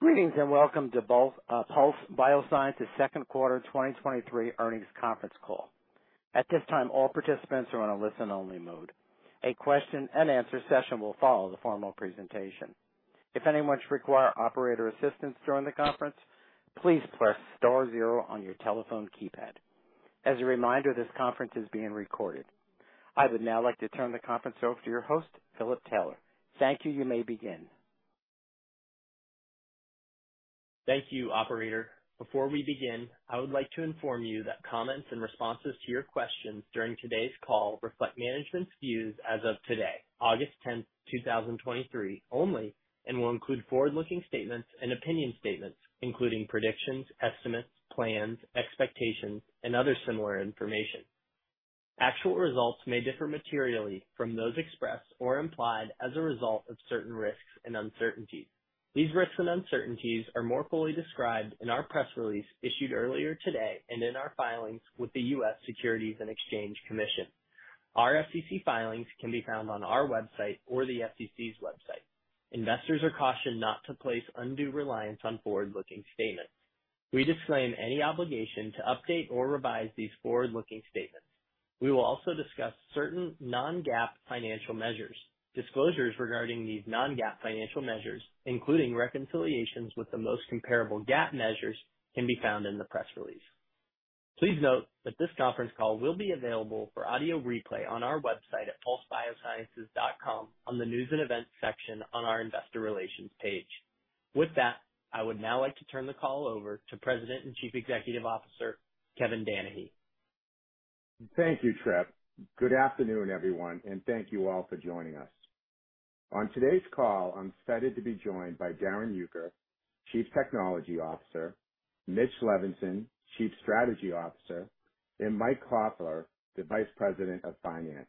Greetings, and welcome to both, Pulse Biosciences second quarter 2023 earnings conference call. At this time, all participants are in a listen-only mode. A question and answer session will follow the formal presentation. If anyone require operator assistance during the conference, please press star zero on your telephone keypad. As a reminder, this conference is being recorded. I would now like to turn the conference over to your host, Philip Taylor. Thank you. You may begin. Thank you, operator. Before we begin, I would like to inform you that comments and responses to your questions during today's call reflect management's views as of today, August 10, 2023, only, and will include forward-looking statements and opinion statements, including predictions, estimates, plans, expectations, and other similar information. Actual results may differ materially from those expressed or implied as a result of certain risks and uncertainties. These risks and uncertainties are more fully described in our press release issued earlier today and in our filings with the U.S. Securities and Exchange Commission. Our SEC filings can be found on our website or the SEC's website. Investors are cautioned not to place undue reliance on forward-looking statements. We disclaim any obligation to update or revise these forward-looking statements. We will also discuss certain non-GAAP financial measures. Disclosures regarding these non-GAAP financial measures, including reconciliations with the most comparable GAAP measures, can be found in the press release. Please note that this conference call will be available for audio replay on our website at pulsebiosciences.com on the News and Events section on our Investor Relations page. With that, I would now like to turn the call over to President and Chief Executive Officer, Kevin Danahy. Thank you, Trip. Good afternoon, everyone, and thank you all for joining us. On today's call, I'm excited to be joined by Darrin Uecker, Chief Technology Officer, Mitch Levinson, Chief Strategy Officer, and Mike Koffler, the Vice President of Finance.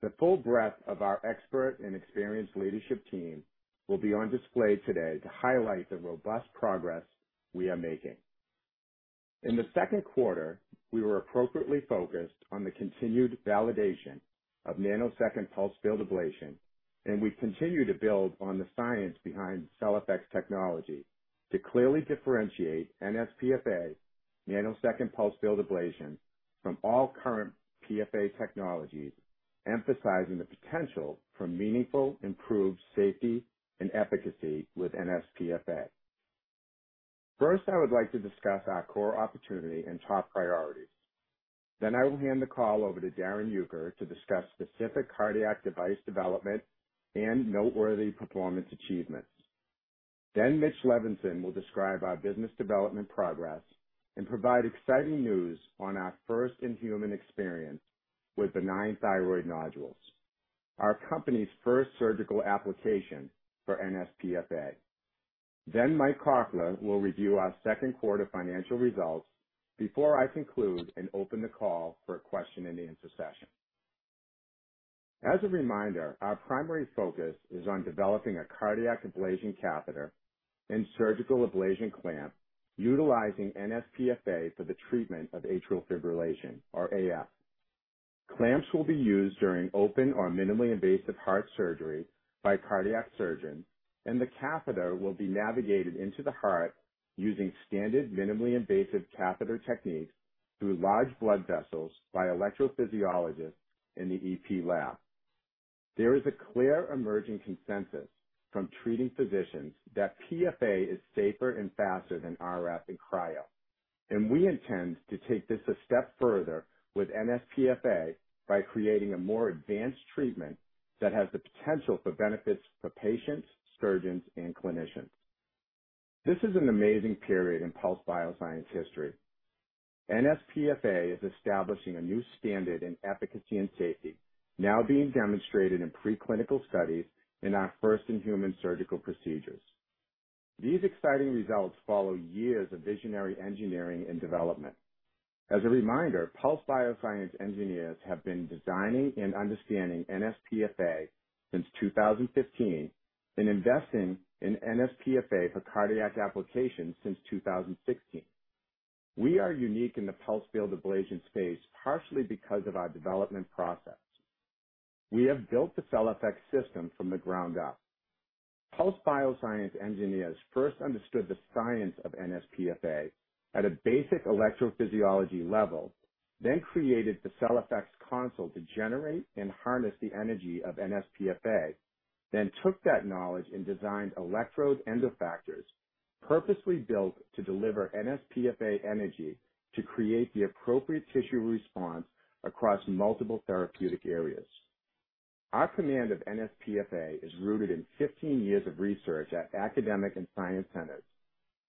The full breadth of our expert and experienced leadership team will be on display today to highlight the robust progress we are making. In the second quarter, we were appropriately focused on the continued validation of Nanosecond Pulsed Field Ablation, and we continue to build on the science behind CellFX technology to clearly differentiate NSPFA, Nanosecond Pulsed Field Ablation, from all current PFA technologies, emphasizing the potential for meaningful, improved safety and efficacy with NSPFA. First, I would like to discuss our core opportunity and top priorities. I will hand the call over to Darrin Uecker to discuss specific cardiac device development and noteworthy performance achievements. Mitch Levinson will describe our business development progress and provide exciting news on our 1st in-human experience with benign thyroid nodules, our company's 1st surgical application for NSPFA. Mike Koffler will review our second quarter financial results before I conclude and open the call for a question and answer session. As a reminder, our primary focus is on developing a cardiac ablation catheter and surgical ablation clamp utilizing NSPFA for the treatment of atrial fibrillation or AF. Clamps will be used during open or minimally invasive heart surgery by cardiac surgeons, and the catheter will be navigated into the heart using standard minimally invasive catheter techniques through large blood vessels by electrophysiologists in the EP lab. There is a clear emerging consensus from treating physicians that PFA is safer and faster than RF and cryo. We intend to take this a step further with NSPFA by creating a more advanced treatment that has the potential for benefits for patients, surgeons, and clinicians. This is an amazing period in Pulse Biosciences history. NSPFA is establishing a new standard in efficacy and safety, now being demonstrated in preclinical studies in our first in-human surgical procedures. These exciting results follow years of visionary engineering and development. As a reminder, Pulse Biosciences engineers have been designing and understanding NSPFA since 2015 and investing in NSPFA for cardiac applications since 2016. We are unique in the pulse field ablation space, partially because of our development process. We have built the CellFX system from the ground up. Pulse Biosciences engineers first understood the science of NSPFA at a basic electrophysiology level, then created the CellFX console to generate and harness the energy of NSPFA, then took that knowledge and designed electrode end effectors, purposely built to deliver NSPFA energy to create the appropriate tissue response across multiple therapeutic areas. Our command of NSPFA is rooted in 15 years of research at academic and science centers,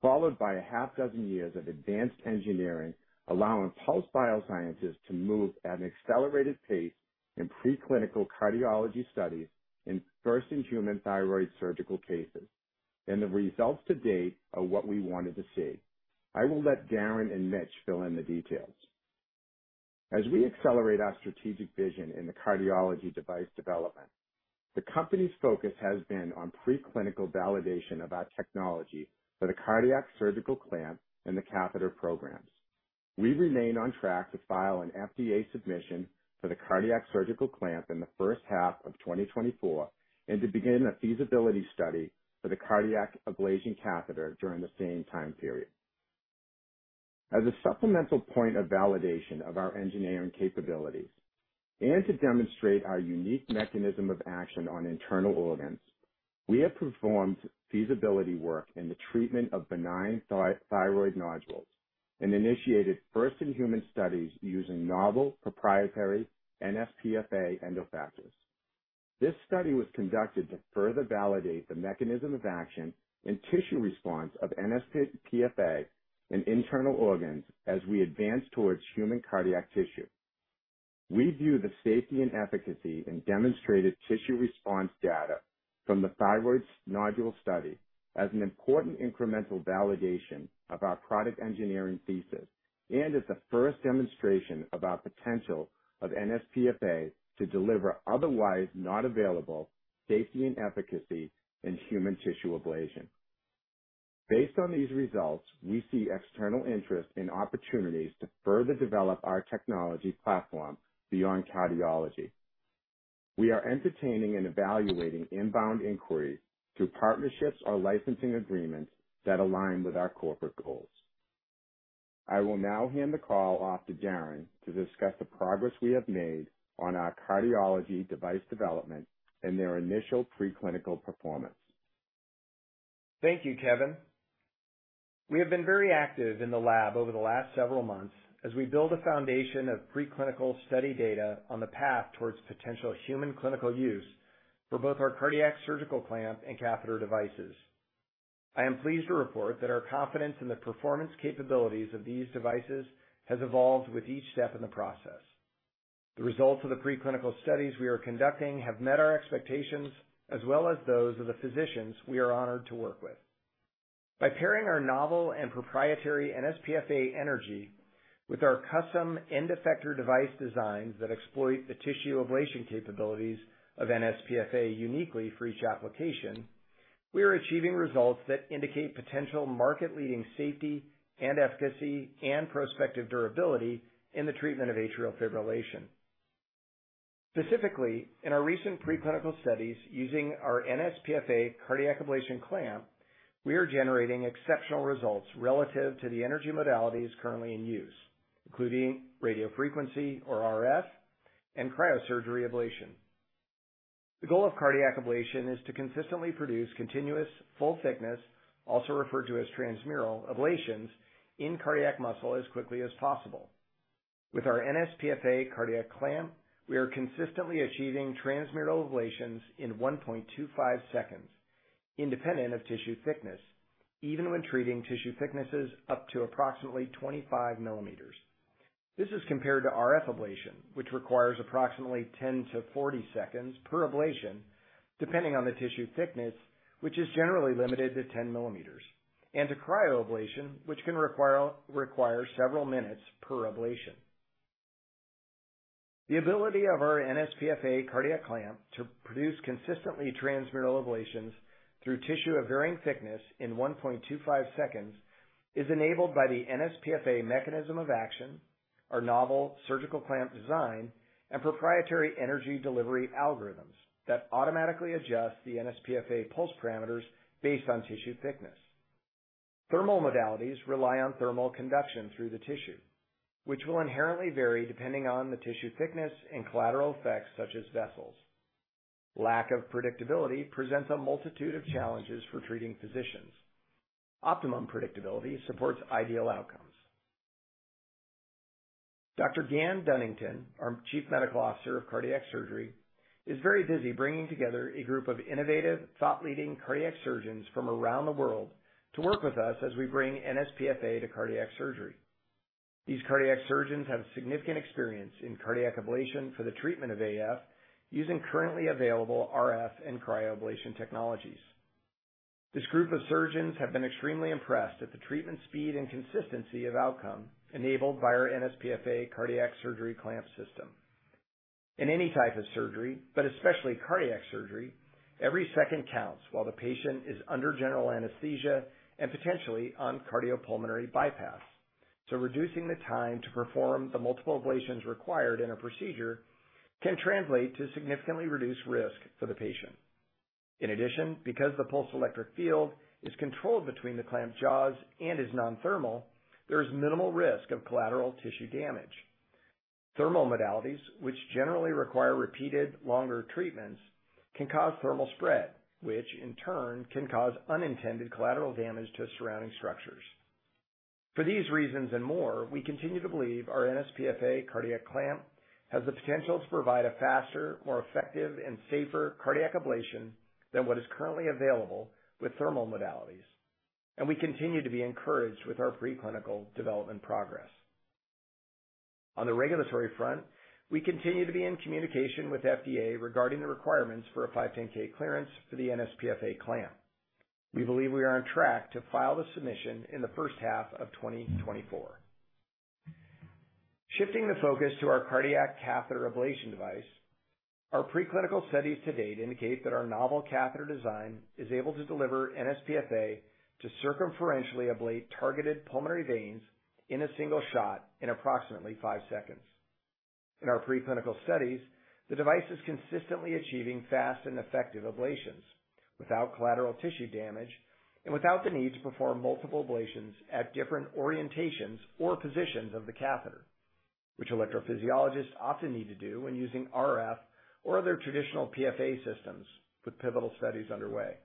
followed by six years of advanced engineering, allowing Pulse Biosciences to move at an accelerated pace in preclinical cardiology studies and first-in-human thyroid surgical cases. The results to date are what we wanted to see. I will let Darrin and Mitch fill in the details. As we accelerate our strategic vision in the cardiology device development, the company's focus has been on preclinical validation of our technology for the cardiac surgical clamp and the catheter programs. We remain on track to file an FDA submission for the cardiac surgical clamp in the first half of 2024, and to begin a feasibility study for the cardiac ablation catheter during the same time period. As a supplemental point of validation of our engineering capabilities and to demonstrate our unique mechanism of action on internal organs, we have performed feasibility work in the treatment of benign thyroid nodules and initiated first-in-human studies using novel proprietary NSPFA end effectors. This study was conducted to further validate the mechanism of action and tissue response of NSPFA in internal organs as we advance towards human cardiac tissue. We view the safety and efficacy in demonstrated tissue response data from the thyroid nodule study as an important incremental validation of our product engineering thesis and as a first demonstration of our potential of NSPFA to deliver otherwise not available safety and efficacy in human tissue ablation. Based on these results, we see external interest and opportunities to further develop our technology platform beyond cardiology. We are entertaining and evaluating inbound inquiries through partnerships or licensing agreements that align with our corporate goals. I will now hand the call off to Darrin to discuss the progress we have made on our cardiology device development and their initial preclinical performance. Thank you, Kevin. We have been very active in the lab over the last several months as we build a foundation of preclinical study data on the path towards potential human clinical use for both our cardiac surgical clamp and catheter devices. I am pleased to report that our confidence in the performance capabilities of these devices has evolved with each step in the process. The results of the preclinical studies we are conducting have met our expectations, as well as those of the physicians we are honored to work with. By pairing our novel and proprietary NSPFA energy with our custom end effector device designs that exploit the tissue ablation capabilities of NSPFA uniquely for each application, we are achieving results that indicate potential market-leading safety and efficacy and prospective durability in the treatment of atrial fibrillation. Specifically, in our recent preclinical studies using our NSPFA cardiac ablation clamp, we are generating exceptional results relative to the energy modalities currently in use, including radiofrequency or RF and cryosurgical ablation. The goal of cardiac ablation is to consistently produce continuous, full thickness, also referred to as transmural ablations, in cardiac muscle as quickly as possible. With our NSPFA cardiac clamp, we are consistently achieving transmural ablations in 1.25 seconds, independent of tissue thickness, even when treating tissue thicknesses up to approximately 25 mm. This is compared to RF ablation, which requires approximately 10-40 seconds per ablation, depending on the tissue thickness, which is generally limited to 10 mm, and to cryoablation, which can require several minutes per ablation. The ability of our nsPFA cardiac clamp to produce consistently transmural ablations through tissue of varying thickness in 1.25 seconds, is enabled by the nsPFA mechanism of action, our novel surgical clamp design, and proprietary energy delivery algorithms that automatically adjust the nsPFA pulse parameters based on tissue thickness. Thermal modalities rely on thermal conduction through the tissue, which will inherently vary depending on the tissue thickness and collateral effects, such as vessels. Lack of predictability presents a multitude of challenges for treating physicians. Optimum predictability supports ideal outcomes. Dr. Gan Dunnington, our Chief Medical Officer of Cardiac Surgery, is very busy bringing together a group of innovative, thought-leading cardiac surgeons from around the world to work with us as we bring nsPFA to cardiac surgery. These cardiac surgeons have significant experience in cardiac ablation for the treatment of AF, using currently available RF and cryoablation technologies. This group of surgeons have been extremely impressed at the treatment speed and consistency of outcome enabled by our NSPFA cardiac surgery clamp system. In any type of surgery, but especially cardiac surgery, every second counts while the patient is under general anesthesia and potentially on cardiopulmonary bypass. Reducing the time to perform the multiple ablations required in a procedure can translate to significantly reduced risk for the patient. In addition, because the pulsed electric field is controlled between the clamp's jaws and is non-thermal, there is minimal risk of collateral tissue damage. Thermal modalities, which generally require repeated, longer treatments, can cause thermal spread, which in turn can cause unintended collateral damage to surrounding structures. For these reasons and more, we continue to believe our NSPFA cardiac clamp has the potential to provide a faster, more effective, and safer cardiac ablation than what is currently available with thermal modalities. We continue to be encouraged with our preclinical development progress. On the regulatory front, we continue to be in communication with FDA regarding the requirements for a 510(k) clearance for the NSPFA clamp. We believe we are on track to file the submission in the first half of 2024. Shifting the focus to our cardiac catheter ablation device, our preclinical studies to date indicate that our novel catheter design is able to deliver NSPFA to circumferentially ablate targeted pulmonary veins in a single shot in approximately 5 seconds. In our preclinical studies, the device is consistently achieving fast and effective ablations without collateral tissue damage and without the need to perform multiple ablations at different orientations or positions of the catheter, which electrophysiologists often need to do when using RF or other traditional PFA systems with pivotal studies underway.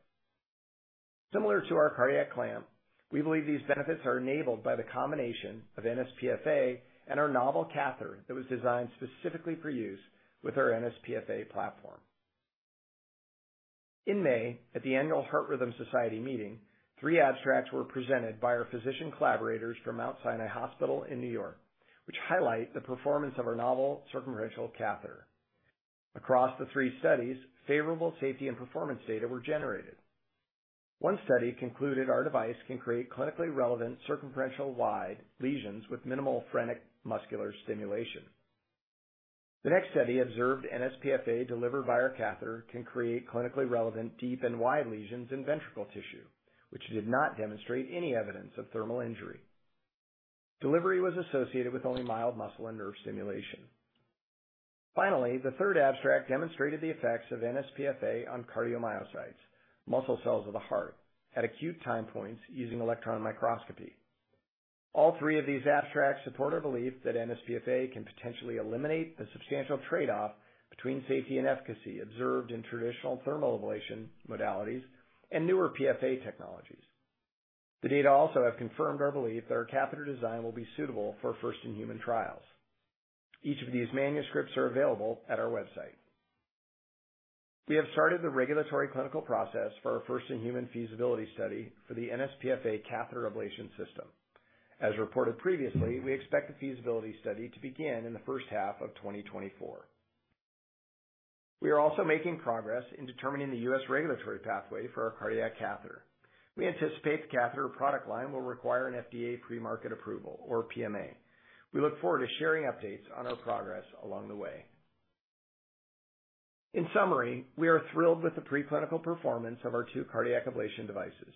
Similar to our cardiac clamp, we believe these benefits are enabled by the combination of NSPFA and our novel catheter that was designed specifically for use with our NSPFA platform. In May, at the Annual Heart Rhythm Society meeting, three abstracts were presented by our physician collaborators from Mount Sinai Hospital in New York, which highlight the performance of our novel circumferential catheter. Across the three studies, favorable safety and performance data were generated. One study concluded our device can create clinically relevant circumferential wide lesions with minimal phrenic nerve stimulation. The next study observed NSPFA delivered via catheter can create clinically relevant, deep and wide lesions in ventricle tissue, which did not demonstrate any evidence of thermal injury. Delivery was associated with only mild muscle and nerve stimulation. Finally, the third abstract demonstrated the effects of NSPFA on cardiomyocytes, muscle cells of the heart at acute time points using electron microscopy. All three of these abstracts support our belief that NSPFA can potentially eliminate the substantial trade-off between safety and efficacy observed in traditional thermal ablation modalities and newer PFA technologies. The data also have confirmed our belief that our catheter design will be suitable for first-in-human trials. Each of these manuscripts are available at our website. We have started the regulatory clinical process for our first-in-human feasibility study for the NSPFA catheter ablation system. As reported previously, we expect the feasibility study to begin in the first half of 2024. We are also making progress in determining the U.S. regulatory pathway for our cardiac catheter. We anticipate the catheter product line will require an FDA pre-market approval or PMA. We look forward to sharing updates on our progress along the way. In summary, we are thrilled with the preclinical performance of our two cardiac ablation devices,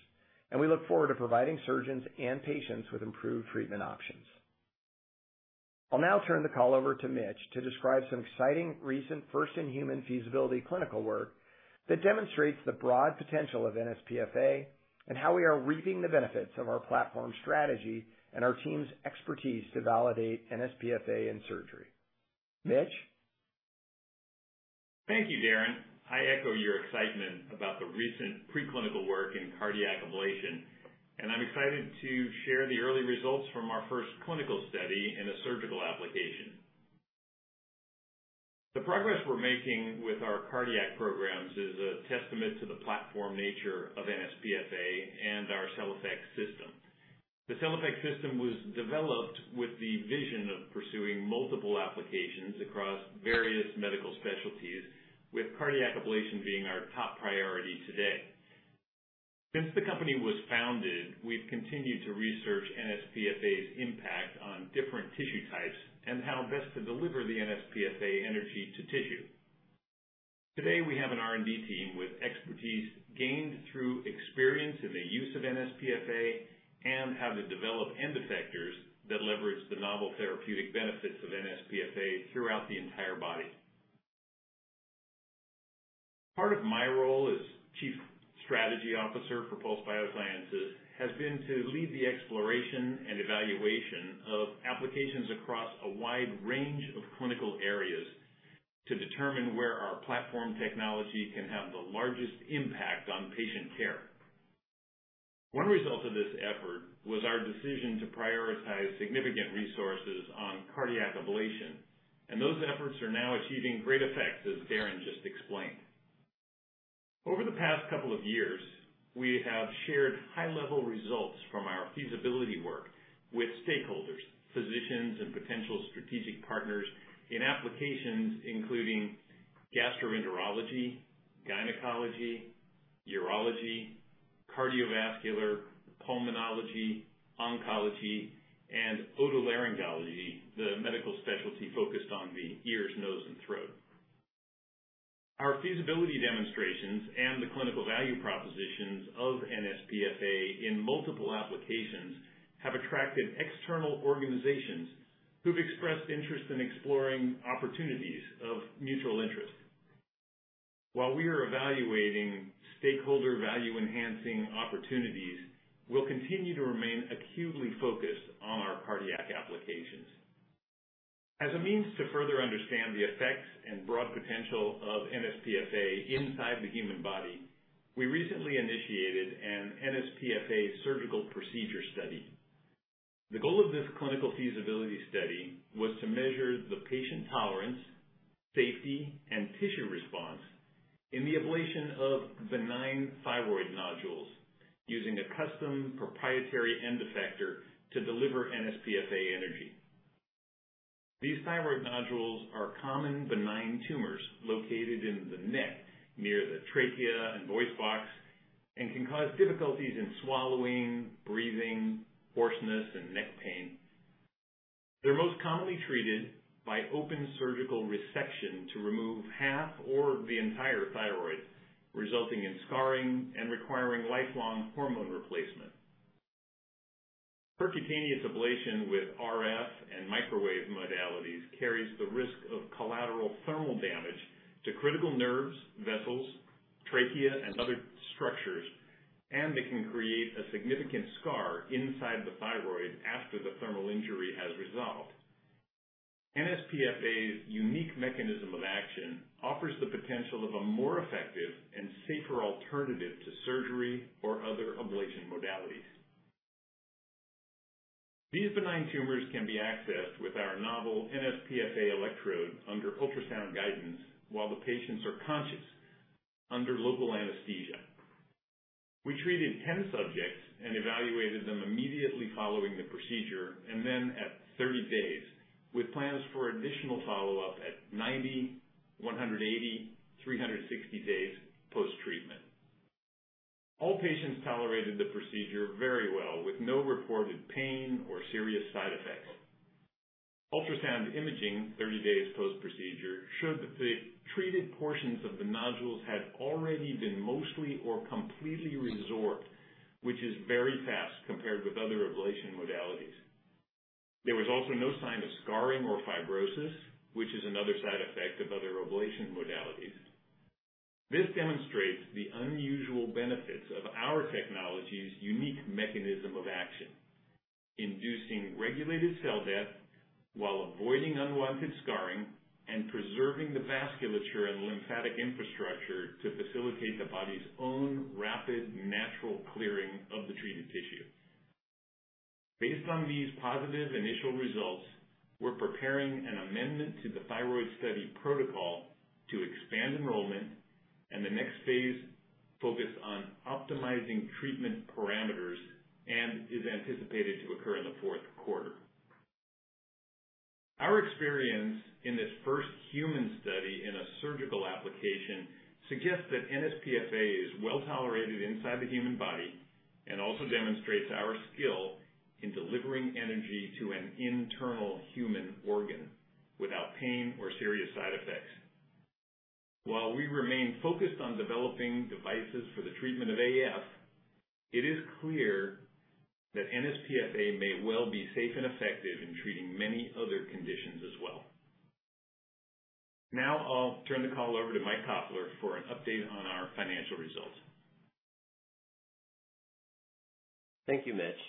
and we look forward to providing surgeons and patients with improved treatment options. I'll now turn the call over to Mitch to describe some exciting recent first-in-human feasibility clinical work that demonstrates the broad potential of NSPFA, and how we are reaping the benefits of our platform strategy and our team's expertise to validate NSPFA in surgery. Mitch? Thank you, Darrin. I echo your excitement about the recent preclinical work in cardiac ablation, and I'm excited to share the early results from our first clinical study in a surgical application. The progress we're making with our cardiac programs is a testament to the platform nature of NSPFA and our CellFX system. The CellFX system was developed with the vision of pursuing multiple applications across various medical specialties, with cardiac ablation being our top priority today. Since the company was founded, we've continued to research NSPFA's impact on different tissue types and how best to deliver the NSPFA energy to tissue. Today, we have an R&D team with expertise gained through experience in the use of NSPFA, and how to develop end effectors that leverage the novel therapeutic benefits of NSPFA throughout the entire body. Part of my role as Chief Strategy Officer for Pulse Biosciences, has been to lead the exploration and evaluation of applications across a wide range of clinical areas, to determine where our platform technology can have the largest impact on patient care. One result of this effort was our decision to prioritize significant resources on cardiac ablation, and those efforts are now achieving great effects, as Darrin just explained. Over the past couple of years, we have shared high-level results from our feasibility work with stakeholders, physicians, and potential strategic partners in applications including gastroenterology, gynecology, urology, cardiovascular, pulmonology, oncology, and otolaryngology, the medical specialty focused on the ears, nose, and throat. Our feasibility demonstrations and the clinical value propositions of NSPFA in multiple applications, have attracted external organizations who've expressed interest in exploring opportunities of mutual interest. While we are evaluating stakeholder value-enhancing opportunities, we'll continue to remain acutely focused on our cardiac applications. As a means to further understand the effects and broad potential of NSPFA inside the human body, we recently initiated an NSPFA surgical procedure study. The goal of this clinical feasibility study was to measure the patient tolerance, safety, and tissue response in the ablation of benign thyroid nodules, using a custom proprietary end effector to deliver NSPFA energy. These thyroid nodules are common benign tumors located in the neck, near the trachea and voice box.... Can cause difficulties in swallowing, breathing, hoarseness, and neck pain. They're most commonly treated by open surgical resection to remove half or the entire thyroid, resulting in scarring and requiring lifelong hormone replacement. Percutaneous ablation with RF and microwave modalities carries the risk of collateral thermal damage to critical nerves, vessels, trachea, and other structures, and they can create a significant scar inside the thyroid after the thermal injury has resolved. NSPFA's unique mechanism of action offers the potential of a more effective and safer alternative to surgery or other ablation modalities. These benign tumors can be accessed with our novel NSPFA electrode under ultrasound guidance while the patients are conscious under local anesthesia. We treated 10 subjects and evaluated them immediately following the procedure, and then at 30 days, with plans for additional follow-up at 90, 180, 360 days post-treatment. All patients tolerated the procedure very well, with no reported pain or serious side effects. Ultrasound imaging 30 days post-procedure showed that the treated portions of the nodules had already been mostly or completely resorbed, which is very fast compared with other ablation modalities. There was also no sign of scarring or fibrosis, which is another side effect of other ablation modalities. This demonstrates the unusual benefits of our technology's unique mechanism of action, inducing regulated cell death while avoiding unwanted scarring and preserving the vasculature and lymphatic infrastructure to facilitate the body's own rapid natural clearing of the treated tissue. Based on these positive initial results, we're preparing an amendment to the thyroid study protocol to expand enrollment, and the next phase focus on optimizing treatment parameters and is anticipated to occur in the fourth quarter. Our experience in this first human study in a surgical application suggests that NSPFA is well-tolerated inside the human body and also demonstrates our skill in delivering energy to an internal human organ without pain or serious side effects. While we remain focused on developing devices for the treatment of AF, it is clear that NSPFA may well be safe and effective in treating many other conditions as well. Now I'll turn the call over to Mike Koffler for an update on our financial results. Thank you, Mitch.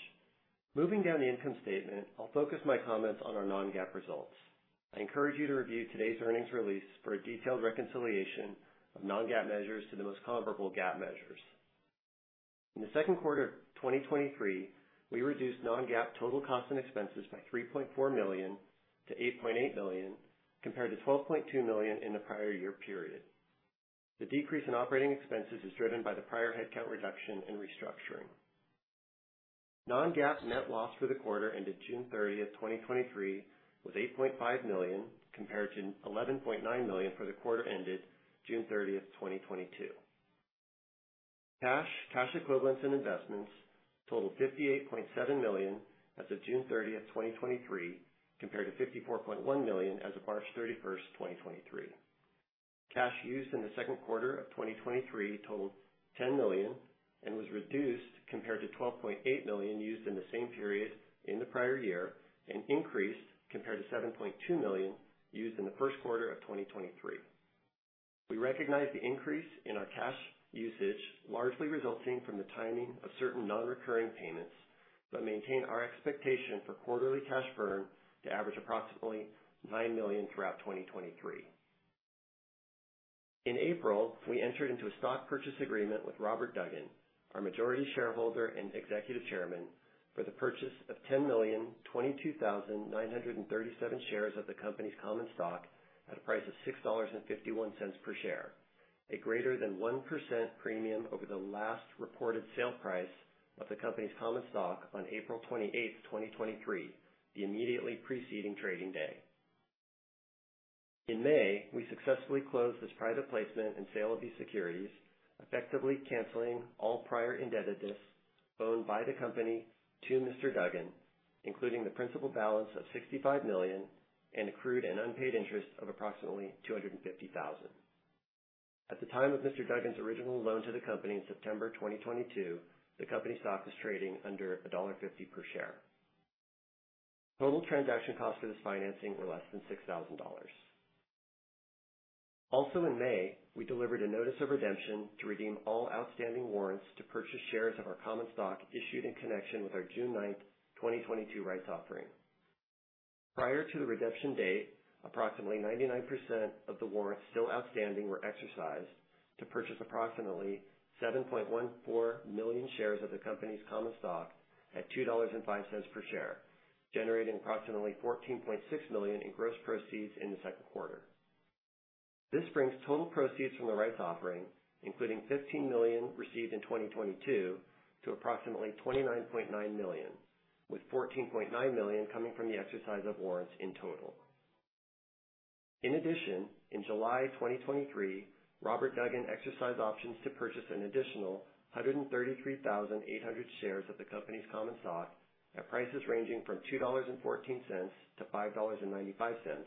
Moving down the income statement, I'll focus my comments on our non-GAAP results. I encourage you to review today's earnings release for a detailed reconciliation of non-GAAP measures to the most comparable GAAP measures. In the second quarter of 2023, we reduced non-GAAP total cost and expenses by $3.4 million to $8.8 million, compared to $12.2 million in the prior year period. The decrease in operating expenses is driven by the prior headcount reduction in restructuring. Non-GAAP net loss for the quarter ended June 30th, 2023, was $8.5 million, compared to $11.9 million for the quarter ended June 30th, 2022. Cash, cash equivalents and investments totaled $58.7 million as of June 30th, 2023, compared to $54.1 million as of March 31st, 2023. Cash used in the second quarter of 2023 totaled $10 million and was reduced compared to $12.8 million used in the same period in the prior year, and increased compared to $7.2 million used in the first quarter of 2023. We recognize the increase in our cash usage, largely resulting from the timing of certain non-recurring payments, but maintain our expectation for quarterly cash burn to average approximately $9 million throughout 2023. In April, we entered into a stock purchase agreement with Robert Duggan, our majority shareholder and executive chairman, for the purchase of 10,022,937 shares of the company's common stock at a price of $6.51 per share, a greater than 1% premium over the last reported sale price of the company's common stock on April 28th, 2023, the immediately preceding trading day. In May, we successfully closed this private placement and sale of these securities, effectively canceling all prior indebtedness owed by the company to Mr. Duggan, including the principal balance of $65 million and accrued and unpaid interest of approximately $250,000. At the time of Mr. Duggan's original loan to the company in September 2022, the company's stock was trading under $1.50 per share. Total transaction costs for this financing were less than $6,000. Also in May, we delivered a notice of redemption to redeem all outstanding warrants to purchase shares of our common stock issued in connection with our June 9, 2022 rights offering. Prior to the redemption date, approximately 99% of the warrants still outstanding were exercised to purchase approximately 7.14 million shares of the company's common stock at $2.05 per share, generating approximately $14.6 million in gross proceeds in the second quarter. This brings total proceeds from the rights offering, including $15 million received in 2022, to approximately $29.9 million, with $14.9 million coming from the exercise of warrants in total. In addition, in July 2023, Robert Duggan exercised options to purchase an additional 133,800 shares of the company's common stock at prices ranging from $2.14-$5.95,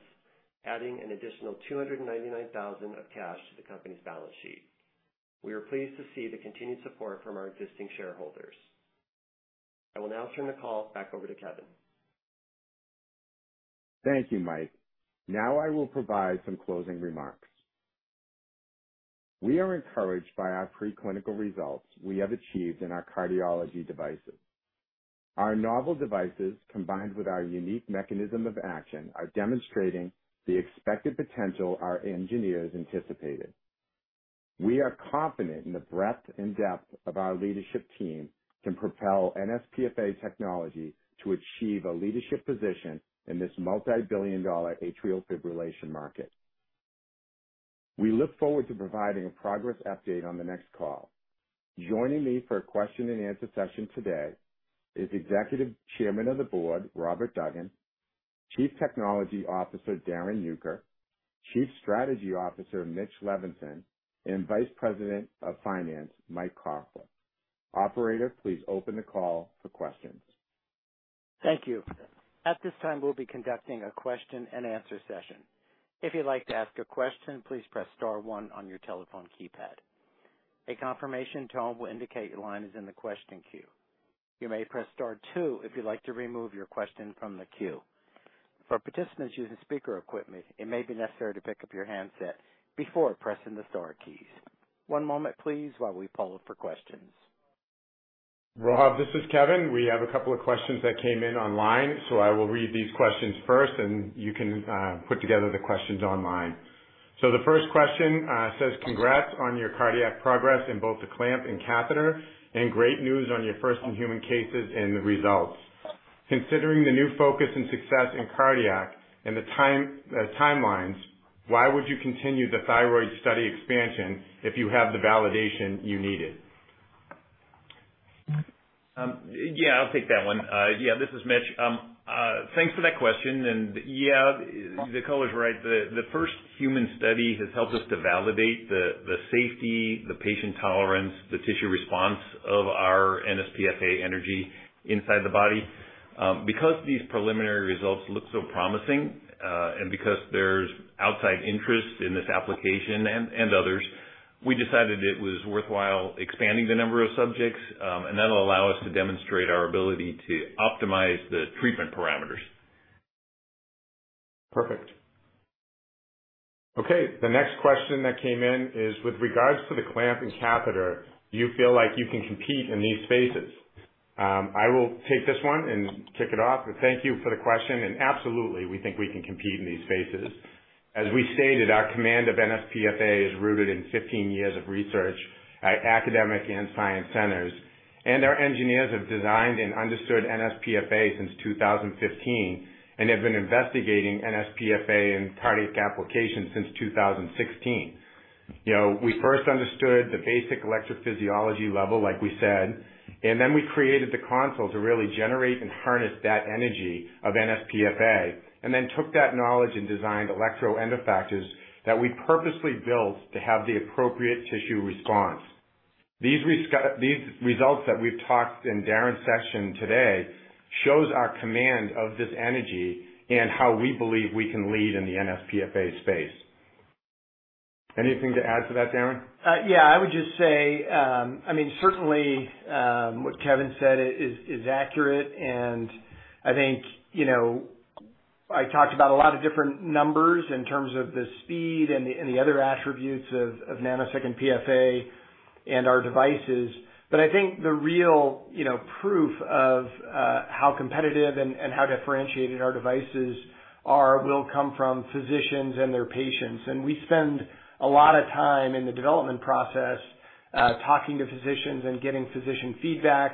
adding an additional $299,000 of cash to the company's balance sheet. We are pleased to see the continued support from our existing shareholders. I will now turn the call back over to Kevin. Thank you, Mike Koffler. Now I will provide some closing remarks. We are encouraged by our preclinical results we have achieved in our cardiology devices. Our novel devices, combined with our unique mechanism of action, are demonstrating the expected potential our engineers anticipated. We are confident in the breadth and depth of our leadership team can propel NSPFA technology to achieve a leadership position in this multibillion-dollar atrial fibrillation market. We look forward to providing a progress update on the next call. Joining me for a question and answer session today is Executive Chairman of the Board, Robert Duggan, Chief Technology Officer, Darrin Uecker, Chief Strategy Officer, Mitch Levinson, and Vice President of Finance, Mike Koffler. Operator, please open the call for questions. Thank you. At this time, we'll be conducting a question and answer session. If you'd like to ask a question, please press star one on your telephone keypad. A confirmation tone will indicate your line is in the question queue. You may press star two if you'd like to remove your question from the queue. For participants using speaker equipment, it may be necessary to pick up your handset before pressing the star keys. One moment please, while we poll for questions. Rob, this is Kevin. We have a couple of questions that came in online. I will read these questions first, and you can put together the questions online. The first question says, "Congrats on your cardiac progress in both the clamp and catheter, and great news on your first in-human cases and the results. Considering the new focus and success in cardiac and the time, timelines, why would you continue the thyroid study expansion if you have the validation you needed? Yeah, I'll take that one. Yeah, this is Mitch. Thanks for that question, and yeah, the caller is right. The first human study has helped us to validate the safety, the patient tolerance, the tissue response of our nsPFA energy inside the body. Because these preliminary results look so promising, and because there's outside interest in this application and others, we decided it was worthwhile expanding the number of subjects. That'll allow us to demonstrate our ability to optimize the treatment parameters. Perfect. Okay, the next question that came in is: with regards to the clamp and catheter, do you feel like you can compete in these spaces? I will take this one and kick it off, but thank you for the question, and absolutely, we think we can compete in these spaces. As we stated, our command of NSPFA is rooted in 15 years of research at academic and science centers. Our engineers have designed and understood NSPFA since 2015, and have been investigating NSPFA in cardiac applications since 2016. You know, we first understood the basic electrophysiology level, like we said, and then we created the console to really generate and harness that energy of NSPFA, and then took that knowledge and designed electrode end effectors that we purposely built to have the appropriate tissue response. These these results that we've talked in Darrin's session today shows our command of this energy and how we believe we can lead in the NSPFA space. Anything to add to that, Darrin? Yeah, I would just say, I mean, certainly, what Kevin said is, is accurate, and I think, you know, I talked about a lot of different numbers in terms of the speed and the, and the other attributes of, of nanosecond PFA and our devices. I think the real, you know, proof of how competitive and, and how differentiated our devices are, will come from physicians and their patients. And we spend a lot of time in the development process, talking to physicians and getting physician feedback.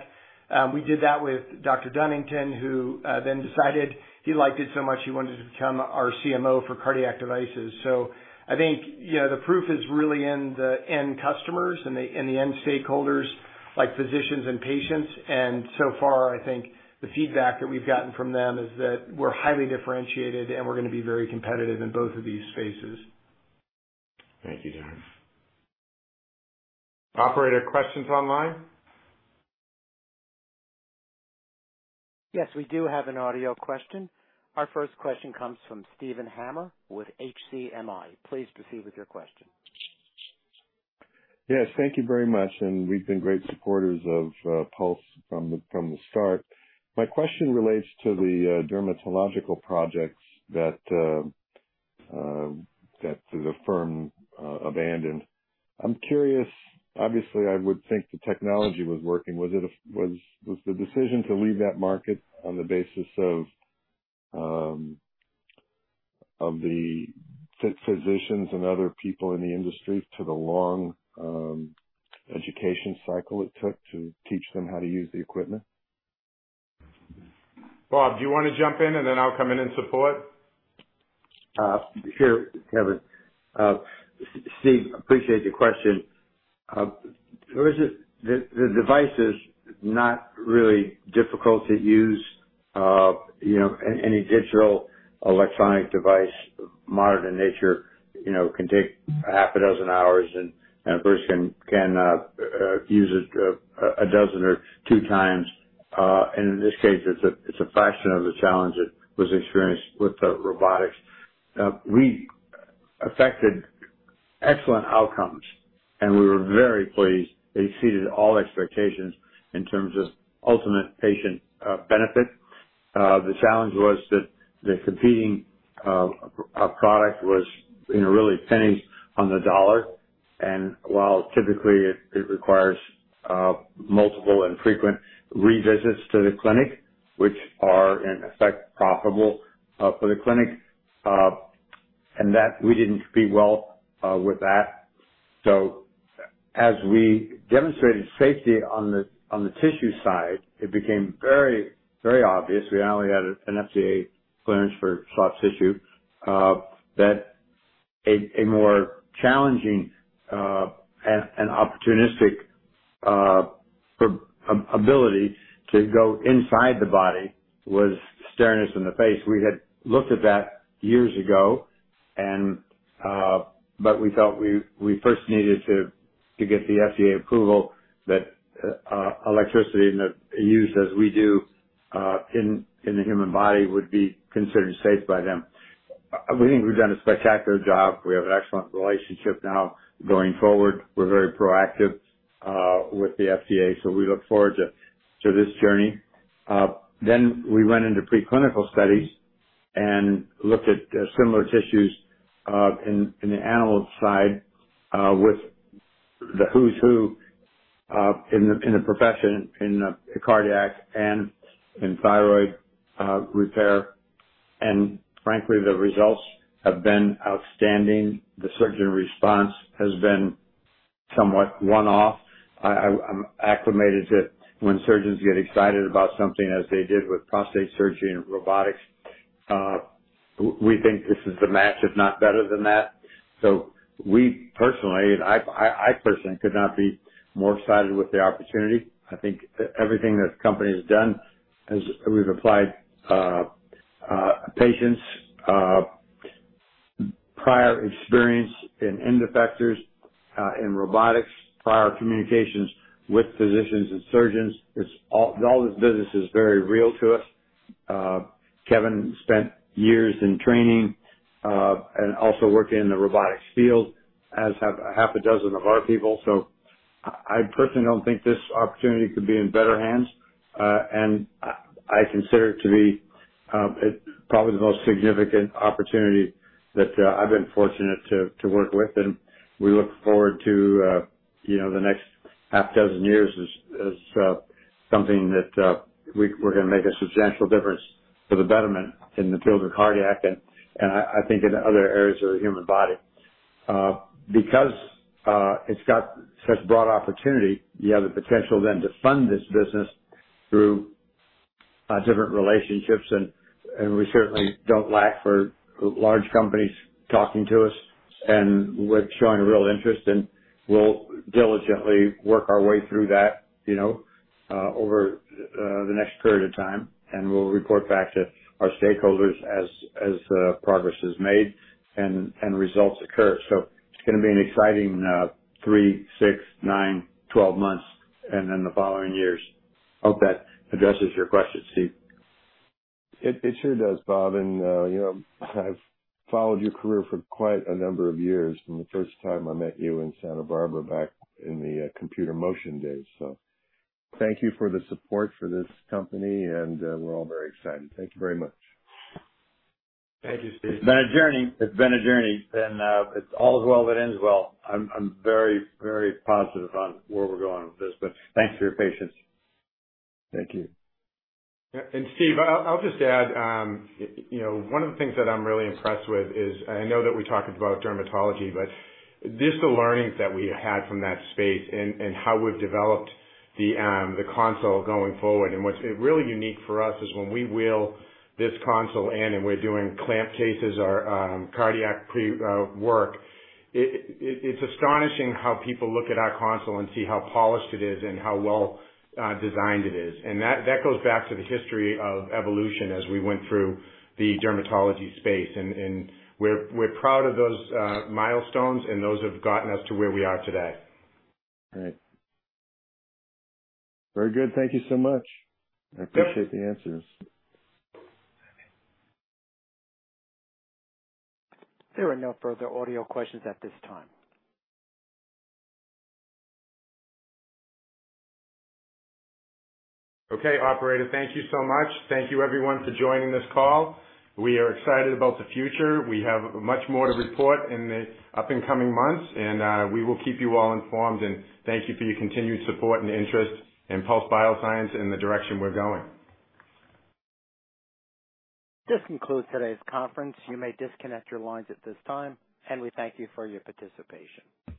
We did that with Dr. Dunnington, who then decided he liked it so much he wanted to become our CMO for cardiac devices. I think, you know, the proof is really in the end customers and the, and the end stakeholders, like physicians and patients. So far, I think the feedback that we've gotten from them is that we're highly differentiated, and we're gonna be very competitive in both of these spaces. Thank you, Darrin. Operator, questions online? Yes, we do have an audio question. Our first question comes from Steven Hammer with HCMI. Please proceed with your question. Yes, thank you very much. We've been great supporters of Pulse from the start. My question relates to the dermatological projects that the firm abandoned. I'm curious, obviously, I would think the technology was working. Was the decision to leave that market on the basis of physicians and other people in the industry, to the long education cycle it took to teach them how to use the equipment? Rob, do you want to jump in and then I'll come in and support? Sure, Kevin. Steve, appreciate your question. First, the device is not really difficult to use. You know, any digital electronic device, modern in nature, you know, can take six hours, and a person can use it a dozen or 2x. In this case, it's a fraction of the challenge that was experienced with the robotics. We affected excellent outcomes, and we were very pleased. It exceeded all expectations in terms of ultimate patient benefit. The challenge was that the competing product was, you know, really pennies on the dollar. While typically it requires multiple and frequent revisits to the clinic, which are, in effect, profitable for the clinic, and that we didn't compete well with that. As we demonstrated safety on the, on the tissue side, it became very, very obvious, we only had an FDA clearance for soft tissue, that a, a more challenging, and opportunistic, ability to go inside the body was staring us in the face. We had looked at that years ago, we felt we, we first needed to, to get the FDA approval, that electricity used as we do, in the human body, would be considered safe by them. We think we've done a spectacular job. We have an excellent relationship now going forward. We're very proactive, with the FDA, we look forward to, to this journey. We went into preclinical studies and looked at similar tissues in, in the animal side with the who's who in the, in the profession, in cardiac and in thyroid repair. Frankly, the results have been outstanding. The surgeon response has been somewhat one-off. I, I, I'm acclimated to when surgeons get excited about something, as they did with prostate surgery and robotics. We think this is the match, if not better than that. We personally, I, I, I personally could not be more excited with the opportunity. I think that everything this company has done is we've applied patients prior experience in end effectors in robotics, prior communications with physicians and surgeons. All this business is very real to us. Kevin spent years in training and also working in the robotics field, as have 6 of our people. I personally don't think this opportunity could be in better hands. I consider it to be it probably the most significant opportunity that I've been fortunate to work with. We look forward to, you know, the next six years as, as something that we're going to make a substantial difference for the betterment in the field of cardiac and, and I, I think in other areas of the human body. It's got such broad opportunity, you have the potential then to fund this business through different relationships. We certainly don't lack for large companies talking to us, and we're showing a real interest, and we'll diligently work our way through that, you know, over the next period of time. We'll report back to our stakeholders as, as progress is made and, and results occur. It's going to be an exciting three, six, nine, 12 months, and then the following years. Hope that addresses your question, Steve. It, it sure does, Rob, and, you know, I've followed your career for quite a number of years, from the first time I met you in Santa Barbara, back in the Computer Motion days. Thank you for the support for this company, and, we're all very excited. Thank you very much. Thank you, Steve. It's been a journey. It's been a journey, it's all is well that ends well. I'm, I'm very, very positive on where we're going with this, thanks for your patience. Thank you. Steve, I'll, I'll just add, you know, one of the things that I'm really impressed with is, I know that we talked about dermatology, but just the learnings that we had from that space and how we've developed the console going forward. What's really unique for us is when we wheel this console in, and we're doing clamp cases or cardiac pre work, it, it, it's astonishing how people look at our console and see how polished it is and how well designed it is. That, that goes back to the history of evolution as we went through the dermatology space. We're, we're proud of those milestones, and those have gotten us to where we are today. Great. Very good. Thank you so much. I appreciate the answers. There are no further audio questions at this time. Okay, operator. Thank you so much. Thank you, everyone, for joining this call. We are excited about the future. We have much more to report in the up-and-coming months, and we will keep you all informed. Thank you for your continued support and interest in Pulse Biosciences and the direction we're going. This concludes today's conference. You may disconnect your lines at this time, and we thank you for your participation.